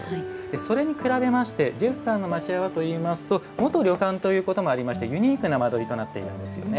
それに比べましてジェフさんの町家はといいますと元旅館ということもありましてユニークな間取りとなっているんですよね。